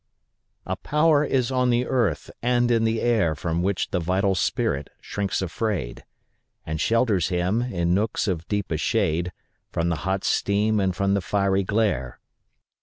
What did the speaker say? A power is on the earth and in the air From which the vital spirit shrinks afraid, And shelters him, in nooks of deepest shade, From the hot steam and from the fiery glare.